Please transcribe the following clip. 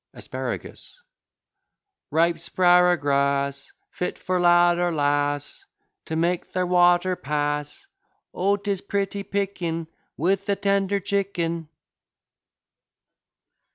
ASPARAGUS Ripe 'sparagrass Fit for lad or lass, To make their water pass: O, 'tis pretty picking With a tender chicken!